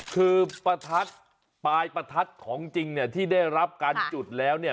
คือประทัดปลายประทัดของจริงเนี่ยที่ได้รับการจุดแล้วเนี่ย